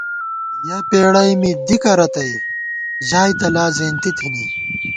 یَہ پېڑَئی می دِکہ رتئ ژائے تہ لا زېنتی تھنی